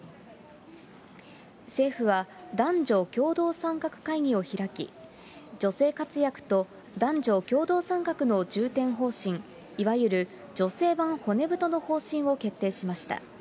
政府は、男女共同参画会議を開き、女性活躍と男女共同参画の重点方針、いわゆる女性版骨太の方針を決定しました。